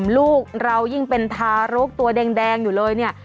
ลูกเรายิ่งเป็นทารกตัวแดงอยู่เลยเนี่ย